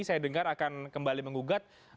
saya dengar akan kembali mengugat